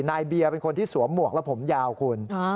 นายเบียร์เป็นคนที่สวมหมวกและผมยาวคุณ